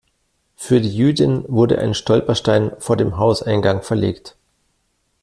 Für die Jüdin wurde ein Stolperstein vor dem Hauseingang verlegt.